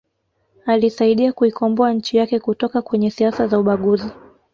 Alisaidia kuikomboa nchi yake kutoka kwenye siasa za ubaguzi